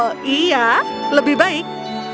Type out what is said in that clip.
mereka kadang kadang sampai di tempat yang lebih baik